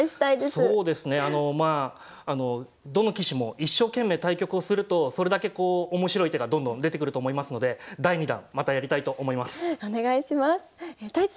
そうですねまあどの棋士も一生懸命対局をするとそれだけこう面白い手がどんどん出てくると思いますので第２弾またやりたいと思います。